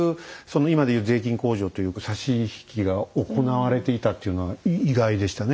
今で言う税金控除というか差し引きが行われていたっていうのは意外でしたね。